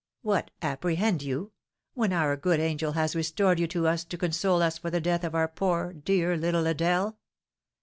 What! apprehend you, when our good angel has restored you to us to console us for the death of our poor, dear little Adèle?